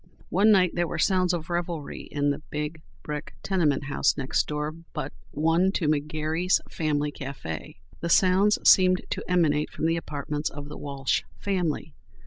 One night there were sounds of revelry in the big brick tenement house next door but one to McGary's Family Café. The sounds seemed to emanate from the apartments of the Walsh family.